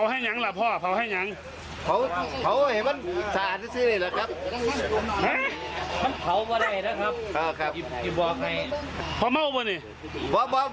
ขอให้ยังขอวัดิริตนี้เชื้อเลยครับ